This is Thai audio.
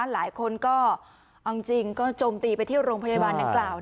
หลายคนจมตีไปที่โรงพยาบาลดังกล่าว